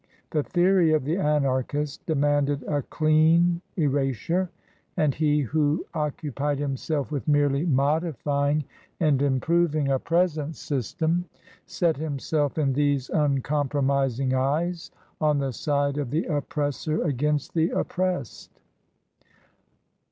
The theory of the Anarchist demanded a clean erasure, and he who occu pied himself with merely modifying and improving a TRANSITION. 193 present system, set himself, in these uncompromising eyes, on the side of the oppressor against the oppressed.